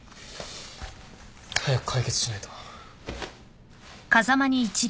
早く解決しないと。